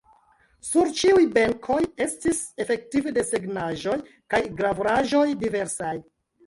Sur ĉiuj benkoj estis efektive desegnaĵoj kaj gravuraĵoj diversaj.